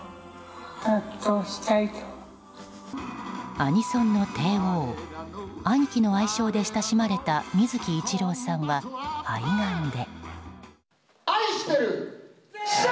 アニソンの帝王アニキの愛称で親しまれた水木一郎さんは、肺がんで。